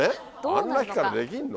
あんな企画できんの？